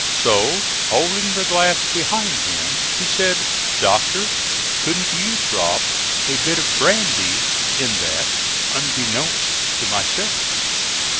So holding the glass behind him, he said: "Doctor, couldn't you drop a bit of brandy in that unbeknownst to myself."